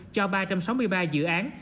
cho ba trăm sáu mươi ba dự án